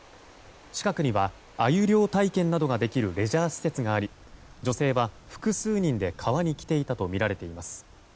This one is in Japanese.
近くにはアユ漁体験などができるレジャー施設があり女性は複数人で川に来ていたとみられています。